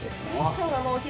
今日はもうお昼。